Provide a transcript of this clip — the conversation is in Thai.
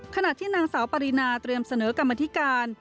ขณะที่นางสาวปรินาเตรียมเสนอกรรมธิการ